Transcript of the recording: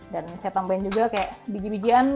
dan saya tambahin juga kayak biji bijian